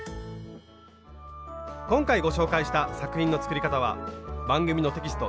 今回ご紹介した作品の作り方は番組のテキスト